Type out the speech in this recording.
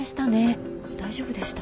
大丈夫でした？